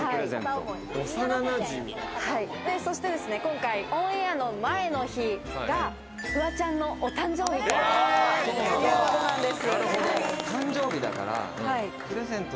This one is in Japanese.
そして今回、オンエアの前の日がフワちゃんのお誕生日です。